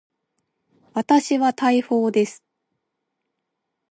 私は大砲です。